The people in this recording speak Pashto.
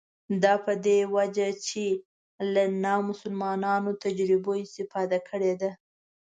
دا په دې وجه چې له نامسلمانو تجربو استفاده کړې ده.